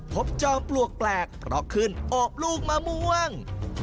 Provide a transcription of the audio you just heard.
พบจอมปลวกแปลกปรอกขึ้นโอบลูกมะม่วง